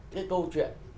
cái câu chuyện